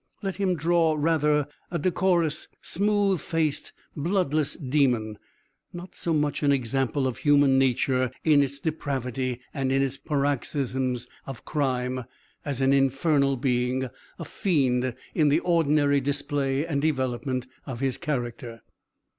Let him draw, rather, a decorous, smooth faced, bloodless demon; not so much an example of human nature in its depravity and in its paroxisms of crime, as an infernal being, a fiend in the ordinary display and development of his character."